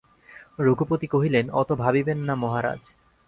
রঘুপতি কহিলেন, অত ভাবিবেন না মহারাজ।